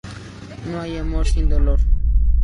No hay amor sin dolor